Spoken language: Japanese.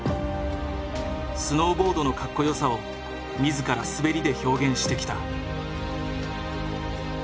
スノーボードのカッコよさを自ら滑りで表現してきた。